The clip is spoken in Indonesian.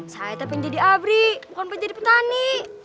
saya pengen jadi abri bukan pengen jadi petani